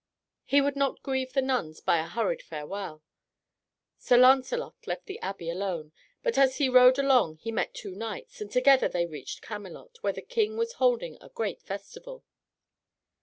He would not grieve the nuns by a hurried farewell. Sir Lancelot left the abbey alone, but as he rode along he met two knights, and together they reached Camelot, where the King was holding a great festival.